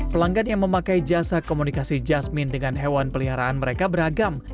pelanggan yang memakai jasa komunikasi jasmine dengan hewan peliharaan mereka beragam